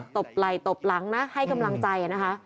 ตบไหล่ตบหลังนะให้กำลังใจนะคะ